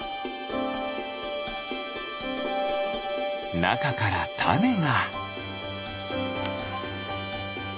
なかからたねが。